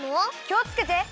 きをつけて！